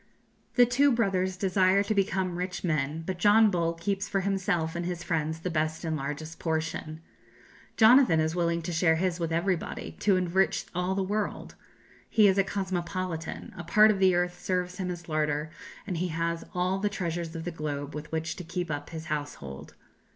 The two brothers desire to become rich men; but John Bull keeps for himself and his friends the best and largest portion. Jonathan is willing to share his with everybody, to enrich all the world; he is a cosmopolitan; a part of the earth serves him as larder, and he has all the treasures of the globe with which to keep up his household.